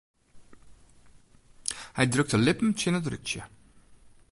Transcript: Hy drukt de lippen tsjin it rútsje.